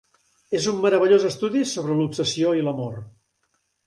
És un meravellós estudi sobre l'obsessió i l'amor.